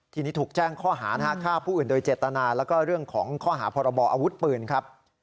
ทีนี้ถูกแจ้งข้อหาฆ่าผู้อื่นโดยเจตนาแล้วก็เรื่องของข้อหาพรบออาวุธปืนครับ